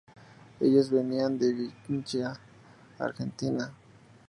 Ellos venían de Vinchina, Argentina.